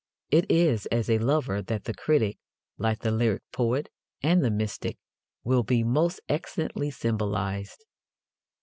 It is as a lover that the critic, like the lyric poet and the mystic, will be most excellently symbolized.